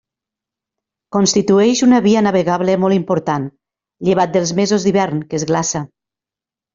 Constitueix una via navegable molt important, llevat dels mesos d'hivern, que es glaça.